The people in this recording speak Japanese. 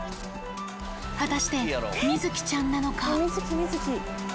果たしてみづきちゃんなのか。